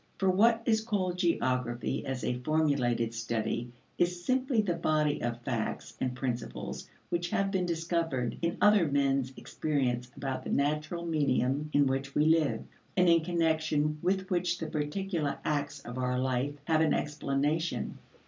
For what is called geography as a formulated study is simply the body of facts and principles which have been discovered in other men's experience about the natural medium in which we live, and in connection with which the particular acts of our life have an explanation.